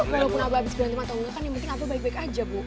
walaupun abah abis berantem atau enggak kan yang penting abah baik baik aja bu